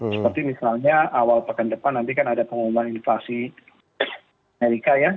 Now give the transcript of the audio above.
seperti misalnya awal pekan depan nanti kan ada pengumuman invasi amerika ya